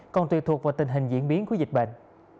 còn tùy thuộc vào tình hình diễn biến của dịch bệnh